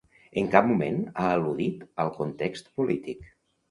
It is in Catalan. En cap moment ha al·ludit al context polític.